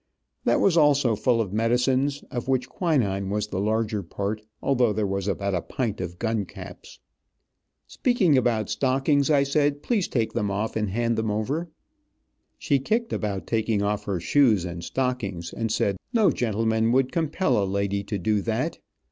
That was also full of medicines, of which quinine was the larger part, though there was about a pint of gun caps. "Speaking about stockings," I said, "please take them off and hand them over." [Illustration: Two very long stockings, came over the pulpit 185] She kicked about taking off her shoes and stockings, and said no gentleman would compel a lady to do that.